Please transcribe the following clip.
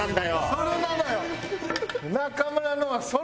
それなのよ！